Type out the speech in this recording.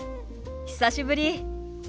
久しぶり。